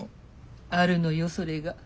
あるのよそれが。